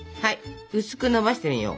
薄くのばしてみよう。